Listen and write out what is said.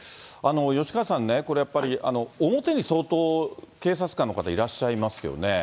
吉川さんね、これ、やっぱり表に相当警察官の方、いらっしゃいますよね。